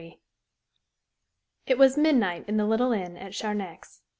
XXIII It was midnight in the little inn at Charnex.